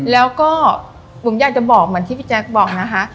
แล้วก็บุ๋มอยากจะบอกเหมือนที่พี่แจ๊คบอกนะคะ